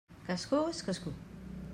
Cascú és cascú.